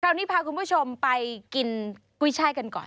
นี้พาคุณผู้ชมไปกินกุ้ยช่ายกันก่อน